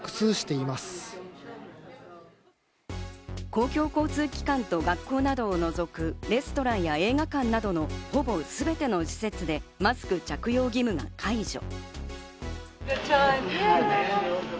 公共交通機関と学校などを除くレストランや映画館などのほぼすべての施設でマスク着用義務が解除。